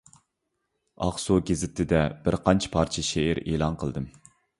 «ئاقسۇ گېزىتى»دە بىرقانچە پارچە شېئىر ئېلان قىلدىم.